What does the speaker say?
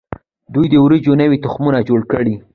دوی د وریجو نوي تخمونه جوړ کړي.